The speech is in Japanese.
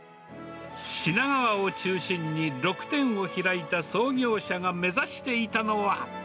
品川を中心に６店を開いた創業者が目指していたのは。